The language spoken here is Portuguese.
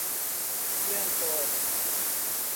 Piancó